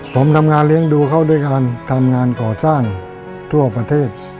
ผมทำงานเลี้ยงดูเขาด้วยการทำงานก่อสร้างทั่วประเทศ